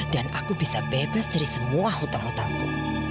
dan aku bisa bebas dari semua hutang hutangku